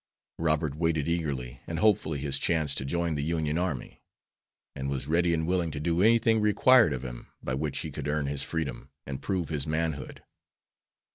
Robert waited eagerly and hopefully his chance to join the Union army; and was ready and willing to do anything required of him by which he could earn his freedom and prove his manhood.